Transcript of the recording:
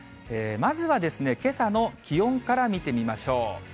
まずはけさの気温から見てみましょう。